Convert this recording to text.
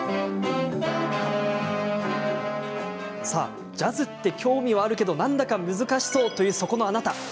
さあ、ジャズって興味はあるけど何だか難しそう、というあなた。